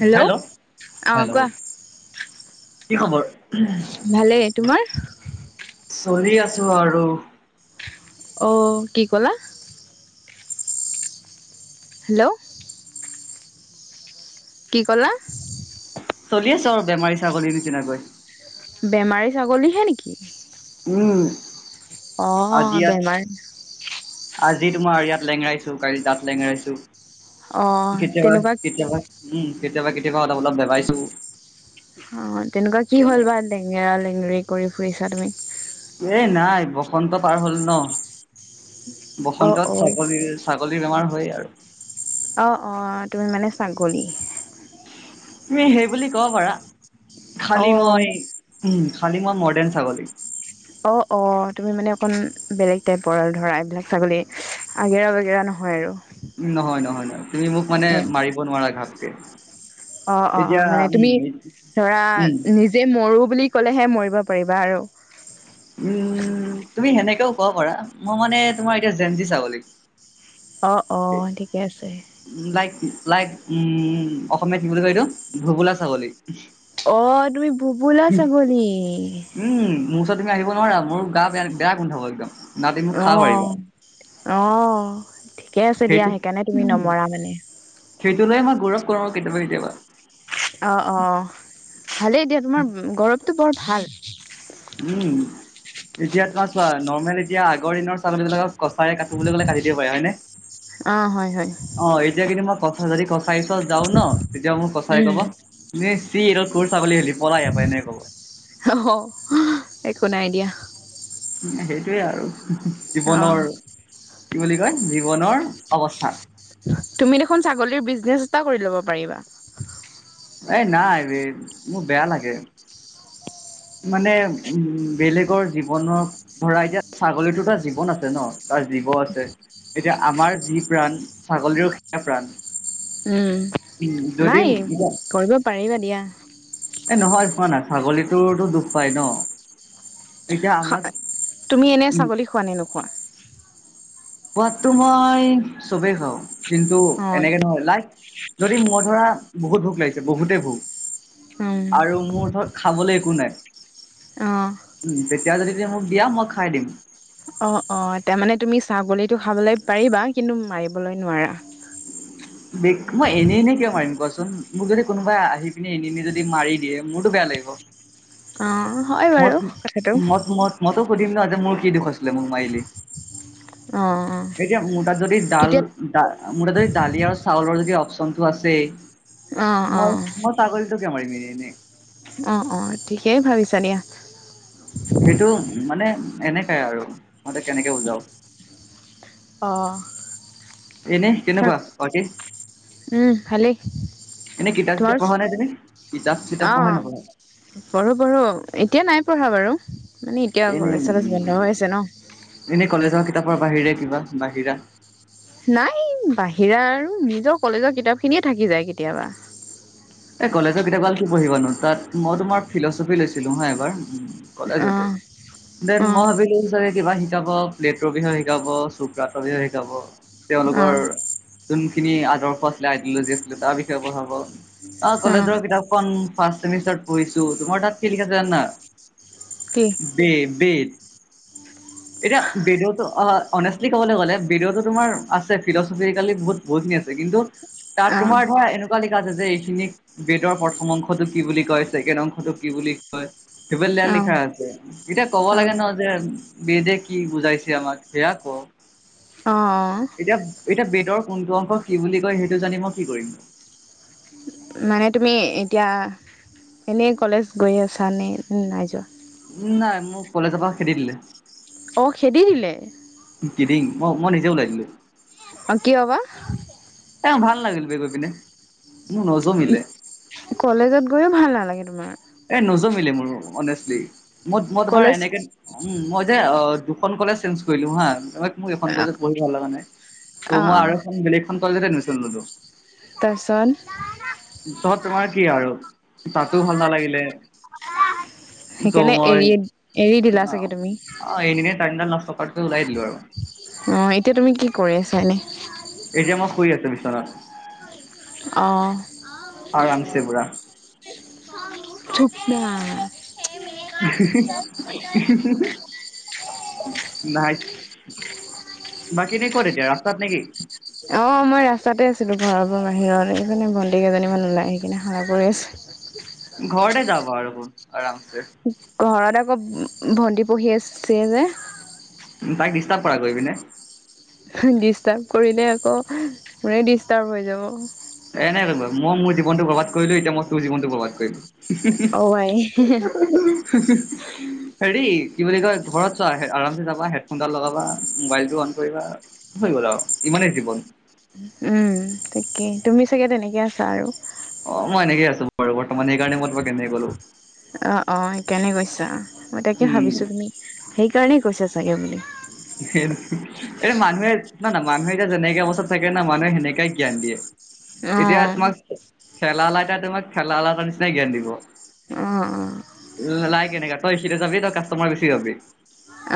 Hello অ hello hello? কোৱা কি খবৰ? ভালেই তোমাৰ? চলি আছো আৰু। অ'কি ক'লা? হেল্ল'? কি ক'লা? চলি আছোঁ আৰু বেমাৰী ছাগলীৰ নিচিনাকৈ। বেমাৰী ছাগলীহে নেকি? উম, অ আজি ইয়াত। বেমাৰ আজি তোমাৰ ইয়াত লেংৰাইছো, কালি তাত লেংৰাাইছো। অ কেতিয়াবা তেনেকুৱা কেতিয়াবা উম, কেতিয়াবা কেতিয়াবা অলপ অলপ বেবাইছো। অ, তেনেকুৱা কি তেনে হ'ল বা? লেঙেৰা-লেঙেৰি কৰি ফুৰিছা তুমি। এই নাই বসন্ত পাৰ হ'ল ন? অ অ বসন্ততচাকেল। [unintelligible] ছাগলীৰ বেমাৰ হয়েই আৰু অ, অ,। তুমি মানে ছাগলী? তুমি হেৰি বুলি ক'ব পাৰা, অ খালি মই উম, খালী মই মডাৰ্ণ ছাগলী। অ, অ। তুমি মানে অকমান বেলেগ টাইপৰ আৰু ধৰা, এইবিলাক ছাগলী আগেৰা-বেগেৰা নহয় আৰু উম, নহয়, নহয়, নহয়। তুমি মোক মানে মাৰিব নোৱাৰা ঘাপকে। অ, অ, অ। এতিয়া মানে তুমি উম ধৰা, উম নিজে মৰো বুলি ক'লে হে মৰিব পাৰিবা আৰু উম, তুমি সেনেকেও কব পাৰা, মই মানে তোমাৰ এতিয়া জেনজি ছাগলী। অ'অ। ঠিকে আছে। উ, লাইক লাইক উম, অসমীয়া কি বুলি কয় এইটো? ভোবোলা ছাগলী। অ'তুমি ভোবোলা ছাগলী? উম, মোৰ ওচৰত তুমি আহিব নোৱাৰা। মোৰ গা বেয়া বেয়া গোন্ধাব একদম। না তুমি মোক খাব পাৰিবা অ', অ'। ঠিকে আছে দিয়া। সেইটো সেইকাৰণে তুমি উম নমৰা মানে? সেইটো লৈয়েই মই গৌৰৱ কৰোঁ কেতিয়াবা কেতিয়াবা। অ, অ। ভালেই দিয়া। তোমাৰ গৌৰৱটো বৰ ভাল। উম,। এতিয়া তোমাৰ চোৱা, নৰ্মেল এতিয়া আগৰ দিনৰ ছাগলীবিলাকক কচায়ে কাটো বুলি ক'লে কাটি দিব পাৰে হয়নে? অ, হয়, হয়, হয়। অ, এতিয়া কিন্তু, মই কচাই যদি কচাই ওচৰত যাওঁ ন? তেতিয়া মোক কচায়ে ক'ব উম, তুমি চিঃ, তই ছাগলী আহিলি? পলা ইয়াৰ পৰা। এনেকে ক'ব। অ'হ, একো নাই দিয়া। সেইটোৱে আৰু অ'। জীৱনৰ কি বুলি কয়? জীৱনৰ অৱস্থা। তুমি দেখোন ছাগলীৰ বিজনেচ এটা কৰি ল'ব পাৰিবা। এই নাই বে মোৰ বেয়া লাগে। মানে উ বেলেগৰ জীৱনৰ ধৰা, এতিয়া ছাগলীটো তাৰ জীৱন আছে ন? তাৰ জীৱো আছে। এতিয়া আমাৰ যি প্ৰাণ ছাগলীৰো সেয়াই প্ৰাণ। উম, উম যদি নাই এ কৰিব পাৰিবা দিয়া। এই নহয় খোৱা না, ছাগলীটোৰ টো দুখ পায় ন? তেতিয়া আমৰ তুমি এনে ছাগলী খোৱা নে নোখোৱা? খোৱাতটো মই চবেই খাওঁ। কিন্তু, অ', এনেকে নহয় লাইক যদি মই ধৰা বহুত ভোক লাগিছে বহুতেই ভোক উম, আৰু মোৰ ওচৰত খাবলৈ একো নাই, অ'। উম তেতিয়া যদি তুমি মোক দিয়া মই খাই দিম। অ অ তাৰমানে তুমি ছাগলীটো খাবলৈ পাৰিবা কিন্তু মাৰিবলৈ নোৱাৰা। দে মই এনেই এনেই কিয় মাৰিম কোৱাচোন? মোক যদি কোনোবাই আহি পিনে এনেই এনেই যদি মাৰি দিয়ে মোৰতো বেয়া লাগিব। অ হয় মত বাৰু কথাটো। মত মত মইতো সোধিম ন যে মোৰ কি দুখ আছিলে মোক মাৰিলি? অ', অ'। এতিয়া মোৰতাত যদি ডাল মোৰতাত যদি দালি আৰু চাউলৰ যদি অপশচনটো আছেই অ', অ', মই মই ছাগলীটো কিয় মাৰিম এনেই এনেই অঁ অঁ ঠিকেই ভাবিছা দিয়া। সেইটো মানে এনেকে আৰু মই এতিয়া কেনেকে বুজাও, অ, এনেই কেনেকুৱা বাকী? উম, ভালেই এনেই কিতাপ তোমাৰ চিতাপ পঢ়া নাই তুমি, কিতাপ চিতাপ পঢ়া অ', নপঢ়া? পঢ়ো পঢ়ো এতিয়া নাই পঢ়া বাৰু মানে এতিয়া কলেজ চলেজ বন্ধ এনেই হৈ আছে ন, এনেই কলেজৰ কিতাপৰ বাহিৰে কিবা বাহিৰা? নাই বাহিৰা আৰু নিজৰ কলেজৰ কিতাপ খিনিয়ে থাকি যায় কেতিয়াবা। এই কলেজৰ কিতাপ কাল কি পঢ়িবানো তাত মই তোমাৰ ফিলচফি লৈছিলো হা এবাৰ কলেজতে, অ'। [inaudible] দেন অ', মই ভাবিলো চাগে কিবা শিকাব ফ্লেটৰ বিষয়ে শিকাব ছক্ৰেটিছৰ বিষয়ে শিকাব। তেওঁলোকৰ অ', যোনখিনি আদৰ্শ আছিলে আইডিঅলজিছ আছিলে তাৰ বিষয়ে পঢ়াব। অ কলেজৰ কিতাপখন ফাৰ্চ চেমিষ্টাৰত পঢ়িছো তোমাৰ তাত কি লিখা আছে জানা? কি? বেদ বেদ এতিয়া বিদটো অ অনেষ্টলি ক'বলৈ গ'লে বেদ টো তোমাৰ আছে ফিলছফি আজিকালি বহুত বহুতখিনি আছে কিন্তু তাত অ', তোমাৰ ধৰা এনেকুৱা লিখা আছে যে খিনিক বেদৰ প্ৰথম অংশতটোক কি বুলি কয়, ছেকেণ্ড অংশতটো কি বুলি কয়? সেইবিলাক অ', অ', লিখা আছে। এতিয়া কব লাগে ন যে বেদে কি বুজাইছে আমাক সেয়াই কওক। অ, এতিয়া এতিয়া বেদৰ কোনটো অংশ কি বুলি কয় সেইটো জানি মই কি কৰিম? মানে তুমি এতিয়া এনেই কলেজ গৈ আছানে নাই যোৱা? নাই মোক কলেজৰ পৰা খেদি দিলে। অঁ খেদি দিলে? কিদিং মই মই নিজে ওলাই দিলোঁ। অ কি বা? এ ভাল লাগিল বে গৈ পিনে মোৰ নজমিলে। কলেজত গৈও ভাল নালাগে তোমাৰ? এই নজমিলে মোৰ অনেষ্টলি মই মই তোমাৰ কলেজ এনেকে উম, মই যে দুখন কলেজ চেঞ্জ কৰিলো হা তাৰ মানে মোৰ এইখন অ কলেজত পঢ়ি ভাল লগা নাই। তু' অ মই আৰু এখন বেলেগ এখন কলেজত এডমিচন ললো। তাৰপিছত? তাৰপিছত তোমাৰ কি আৰু তাতো ভাল নালাগিলে। ত' সেইকাৰণে মই, এৰি এৰি দিলা চাগে তুমি এনেই তাইম ডাল নষ্ট ক লাই দিলো আৰু। অ', এতিয়া তুমি কি কৰি আছা এনেই? এতিয়া মই শুই আছো বিচনাত। [unintelligible] অ'। আৰামচে পোৰা। চুপনা। নাই। বাকী এটিয়া ক'ত এতিয়া ৰাস্তাত নেকি? অ', মই ৰাস্তাতে আছিলো ঘৰ পৰাৰ বাহিৰত এই ভণ্টি কেইজনী মান ওলাই আহি কিনে হাল্লা কৰি আছে। ঘৰতে যাব আৰু আৰামছে। ঘৰত আকৌ ভন্টি পঢ়ি আছে যে। তাইক ডিষ্টাৰ্ব কৰা গৈ পিনে। ডিষ্টাৰ্ব কৰিলে আকৌ মোৰেই ডিষ্টাৰ্ব হৈ যাব। এ নাই মই মোৰ জীৱনটো বৰ্বাদ কৰিলো, এতিয়া মই তোৰ জীৱনটো বৰ্বাদ কৰিম। অ আই [unintelligible] হেৰি কি বুলি কই ঘৰত চোৱা আৰামচে যাবা, হেডফোনডাল লগাবা, মোবাইলটো অন কৰিবা হৈ গ'ল আৰু ইমানেই জীৱন। উম। ঠিকেই তুমি চাগে তেনেকে আছা‌ আৰু। অ', মই এনেকে আছো বাৰু বৰ্ত্তমান এই কাৰণে মই তোমাক এনেকে কলো। অ', অ', সেইকাৰণে কৈছা মই তাকে উম ভাবিছো, তুমি সেইকাৰণেই কৈছা চাগে বুলি। [inaudible] এতিয়া মানুহে না মানুহে এতিয়া যেনেকে অৱস্থাত থাকে না মানুহে সেনেকাই জ্ঞান দিয়ে। অ এতিয়া তোমাক, ঠেলা অলা এটা তোমাক ঠেলা অলা এটাৰ নিচিনাই জ্ঞান দিব। অ', অ'। লাই কেনেকা তই এইখিতে যাবি তই কাষ্টমাৰ বেছি পাবি,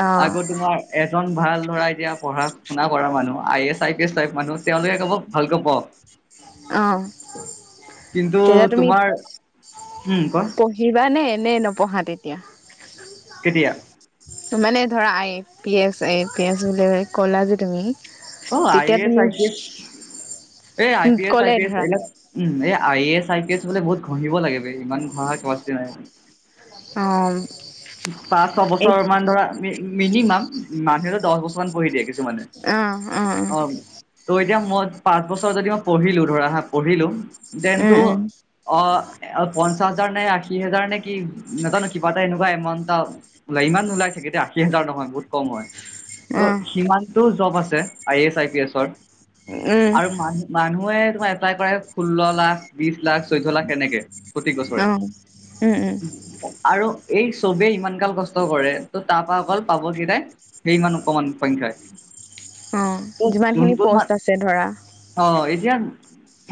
অ অ আকৌ তোমাৰ এজন ভাল ধৰা এতিয়া পঢ়া শুনা কৰা মানুহ I S, I P S type মানুহ তেওঁলোকে ক'ব ভালকৈ পঢ়। অ', কিন্তু যিহে তুমি তোমাৰ উম ক পঢ়ি যিমানেই এনেই নপঢ়া তেতিয়া। কেতিয়া? ত মানে ধৰা আই পি এছ, আ পি এছ বুলি ক'লা যে তুমি। অ', আই তেতিয়া এছ, তুমি আই পি এছ, এই আই পি এছ, আই ক'লে পি এ ধৰা উম, এই I A S, I P S বোলে বহুত ঘঁহিব লাগিব বে ইমান ঘঁহা কেপাচিটি নাই মোৰ। অ'। পাঁচ ছ এই বছৰ মান ধৰামি মিনিমাম, মানুহ দহ বছৰমান পঢ়ি দিয়ে কি [unintelligible] অ'। ত' এতিয়া মই পাঁচ বছৰ যদি মই পঢ়িলো ধৰা হা পঢ়িলো উম দেনটো অ', পঞ্চাশ হাজাৰ নে আশী হাজাৰ নে কি নাজানো কিবা এটা এনেকুৱা ও ইমান নোলাই চাগে দেই, আশী হাজাৰ নহয় বহুত কম হয় উম অ ত' সিমান টো জব আছে আই এছ আই পি এছৰ [inaudible] আৰু মানুহ মানুহে তোমাৰ এপ্লাই কৰে ষোল্ল লাখ বিশ লাখ চৈধ্য লাখ এনেকে প্ৰতি অ উম উম বছৰে আৰু এই চবেই ইমান গাল কষ্ট কৰে দত্ত ত' তাৰপা অকল পাব কেইটাই সেই মানু অকমান সংখ্যাই অ' ত' যিমানখিনি যোনটো তোমাৰ প'ষ্ট আছে ধৰা অ' এতিয়া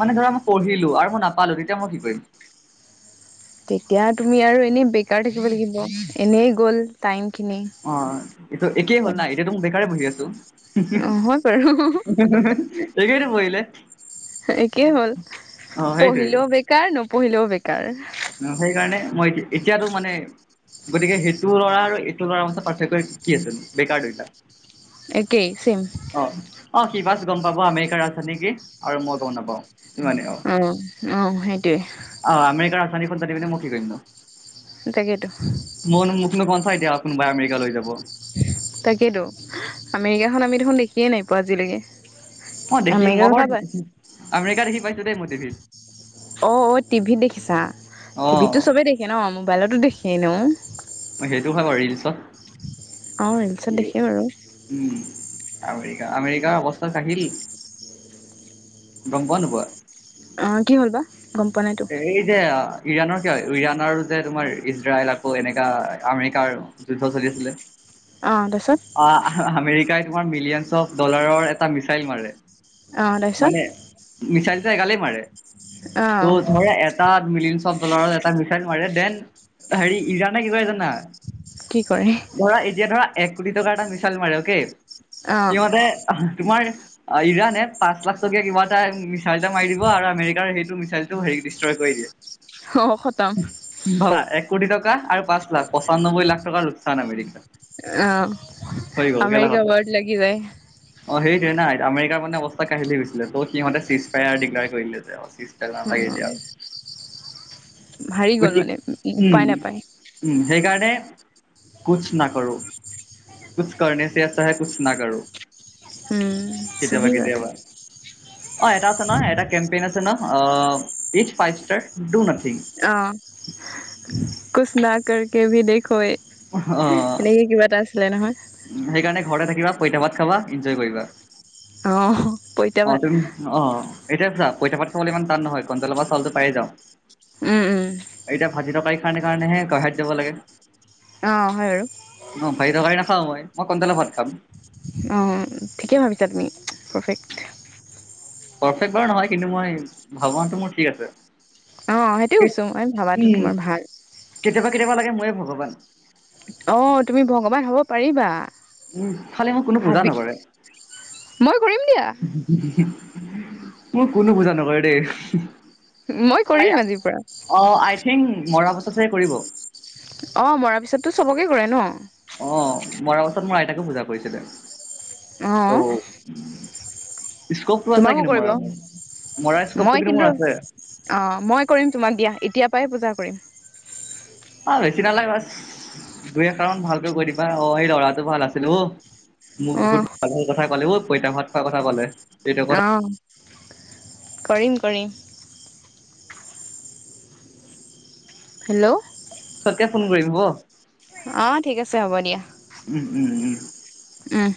মানে ধৰা মই পঢ়িলো আৰু মই নাপালো তেতিয়া মই কি কৰিম। তেতিয়া তুমি আৰু এনেই বেকাৰ থাকিব লাগিব এনেই গ'ল টাইমখিনি অ' এইটো একেই হ'ল না এতিয়া তো মই বেকাৰে বহি আছো অ হয় বাৰু [unintelligible] কৰিলে। একেই হ'ল, সেইটোৱে পঢ়িলেও বেকাৰ নপঢ়িলেও বেকাৰ। অ', সেইকাৰণে মই এতিয়াতো মানে গতিকে সেইটো ল'ৰা আৰু এইটো ল'ৰাৰ মাজত পাৰ্থক্য কি আছিল বেকাৰ দুইটা। একেই চেম। অ', অ', সি বাচ গম পাব আমেৰিকাৰ ৰাজধানী কি আৰু মই গম নাপাওঁ। অ', অ', সেইটোৱে। আৰু আমেৰিকাৰ ৰাজধানীখন জানি পিনে মই কি কৰিম নো? তাকেতো। মোকনো কনচা এতিয়া কোনোবাই আমেৰিকা লৈ যাব। তাকেইেতো, আমেৰিকাখন আমি দেখোন দেখিয়ে নাই পোৱা আজিলৈকে। অ', দেখি আমেৰিকাৰ মই কথা পাই বাৰু আমেৰিকা দেখি পাইছোঁ দেই মই টিভিত। অ', অ', টিভিত দেখিছা, টিভিততো অ চবেই দেখে ন মোবাইলতো দেখি এনেও। সেইটো হয় ৰীলছত। অ', ৰিলচত দেখি বাৰু। উম, আমেৰিকা-আমেৰিকাৰ অৱস্থা কাহিল। গম পোৱা নোপোৱা? অ', কি হ'ল বা? গম পোৱা নাইতো। এই যে ইৰাণৰ কিয় ইৰাণ আৰু যে তোমাৰ ইজৰাইল আকৌ এনেকা আমেৰিকাৰ যুদ্ধ চলি আছিলে। অ', তাৰপিছত। অ', আমেৰিকাই তোমাৰ মিলিয়নছ অফ ডলাৰৰ এটা মিছাইল মাৰে। অ তাৰপিছত মানে মিছাইলটো এগালেই মাৰে ত' অ ধৰা এট তাত মিলয়নচ অফ ডলাৰৰ এটা মিছাইল মাৰে দেন হেৰি ইৰাণে কি কয় জানা? কি কয়? ধৰা এতিয়া ধৰা এক কোটি টকাৰ এটা মিছাইল মাৰে অ'কে, অ সিহঁতে তোমাৰ ইৰানে পাঁচ লাখ টকীয়া কিবা এটা মিচাইল এটা মাৰি দিব আৰু আমেৰিকাৰ সেইটো মিচাইল টো হেৰি ডেষ্ট্ৰয় কৰি দিয়ে। অ', খতম। ভাল, এক কোটি টকা আৰু পাঁচ লাখ পঁচান্নব্বৈ টকাৰ লোকচান আমেৰিকাৰ। অ', হৈ গ'ল গেলা আমেৰিকাৰ খতম। ৱাৰ্ড লাগি যায় অ', সেইটোৱে না আমৰিকাৰ মানে অৱস্থা কঢ়িল হৈ গৈছিলে ত', সিহতে চীজ ফায়াৰ ডিক্লায়াৰ কৰিলে অ যে [unintelligible] এতিয়া আৰু। হাৰি গ'ল গতিক মানে উম উপায় নাপায়। উম, সেইকাৰণে কোচ নাকৰো। কোছ কৰনেছে আচ্ছা হে কোছ না কৰো। উম কেতিয়াবা চহী কথা কেতিয়াবা। অ', এটা আছে নহয় এটা কেম্পেইন আছে ন অ' ইচ্ ফাইপ ইষ্টাৰ দো নাথিঙ অ কোচ না কাৰকে ভি দেখৌ এনেকে কিবা এটা আছিলে নহয়। উম, সেইকাৰণে ঘৰতে থাকিবা পইতা ভাত খাবা, ইঞ্জয় কৰিবা। অ'। পইতা অ', ভাত তুমি অ', এতিয়া চোৱা পইতা ভাত খাবলে ইমান টান নহয় কন্ট্ৰলৰ পৰা চাউলটো পায়েই যাওঁ। উম, উম। এতিয়া ভাজি টৰকাৰী কাৰণে কাৰণেহে [unintelligible] যাব লাগে। [unintelligible] অ', হয় বাৰু। অহ ভাজি তৰকাৰি নাখাওঁ মই, মই কন্ট্ৰলৰ ভাত খাম। অ ঠিকেই ভাবিছা তুমি পাৰফেক্ট পাৰফেক্ট বাৰু নহয় কিন্তু মই ভাবনাটো মোৰ ঠিক আছে অ সেইটোৱে এই কৈছোঁ মই ভাবাটো উম তোমাৰ ভাল কেতিয়াবা কেতিয়াবা লাগে ময়েই ভগৱান অহ তুমি ভগৱান হ'ব পাৰিবা উম খালি মোক কোনো পূজা ভাবি নকৰে। মই কৰিম দিয়া মোক কোনো পুজা নকৰে দেই মই আই কৰিম আজিৰ পৰা অ আই থিংক মৰা পাছতহে কৰিব অহ মৰাৰ পিছততো চবকে কৰে ন অ মৰা পাছত মোৰ আইতাকো পুজা কৰিছিলে্ অহ' স্কপটো আছে তোমাকো কিন্তু কৰিব মৰা মোৰ মৰা স্কপটো কিন্তু মোৰ আছে অ মই কৰিম তোমাক দিয়া এতিয়াৰ পৰাই পূজা কৰিম অ বেছি নালাগে বছ দুই এষাৰমান ভালকে কৈ দিবা অ সেই লৰাটো ভাল আছিল অ মোক অ বহুত ভাল ভাল কথা কলে ঐ পইতা ভাত খোৱা কথা কলে এইটো কথা অ কৰিম কৰিম হেল্ল' পাছতকে ফোন কৰিম হ'ব অ ঠিক আছে হ'ব দিয়া উম উম উম। উম